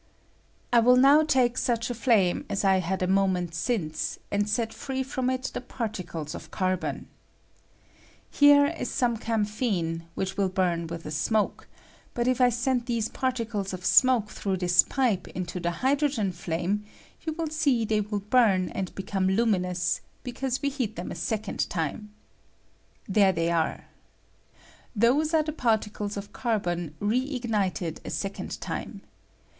I will now take such a flame as I had a mo ment since, and set free from it the particles of carbon. Here is some camphene, which will bum with a smoke ; but if I send these parti cles of smoke through this pipe into the hydro gen flame you will seo they will bum and he come luminous, because we heat them a second time. There they are. Those are the parti cles of carbon reignited a second time.